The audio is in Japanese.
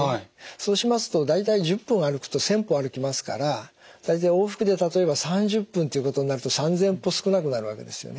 そうしますと大体１０分歩くと１，０００歩歩きますから大体往復で例えば３０分ということになると３，０００歩少なくなるわけですよね。